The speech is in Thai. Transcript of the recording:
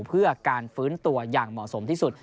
เพื่อการฟื้นตัวอย่างเหมาะสมที่สุด